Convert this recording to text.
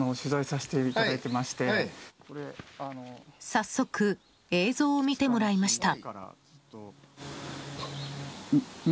早速、映像を見てもらいました。